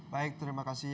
baik terima kasih